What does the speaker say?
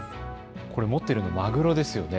これ持ってるのマグロですよね。